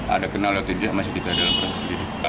ada kenal atau tidak masih kita dalam proses penyelidikan